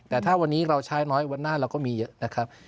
แต่ถ้าวันนี้เราใช้น้อยวันหน้าเราก็มีเยอะนะครับ